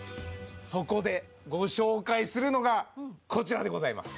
そこでご紹介するのがこちらでございます